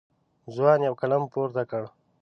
ځوان یو قلم پورته کړ.